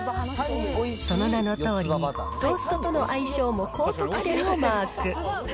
その名のとおりに、トーストとの相性も高得点をマーク。